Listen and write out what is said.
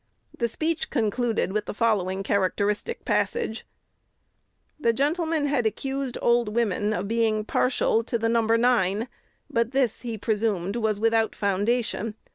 The speech concluded with the following characteristic passage: "The gentleman had accused old women of being partial to the number nine; but this, he presumed, was without foundation.